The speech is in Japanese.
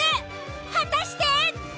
果たして？